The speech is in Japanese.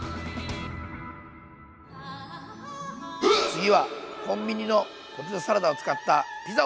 次はコンビニのポテトサラダを使ったピザを紹介します！